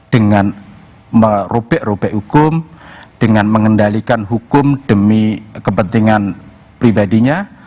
dengan merubek rubek hukum dengan mengendalikan hukum demi kepentingan pribadinya